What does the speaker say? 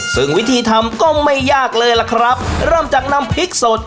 ซึ่งวิธีทำก็ไม่ยากเลยล่ะครับเริ่มจากน้ำพริกสด